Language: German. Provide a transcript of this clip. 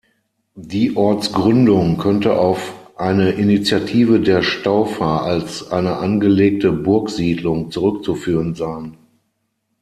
Die Ortsgründung könnte auf eine Initiative der Staufer als eine angelegte Burgsiedlung zurückzuführen sein.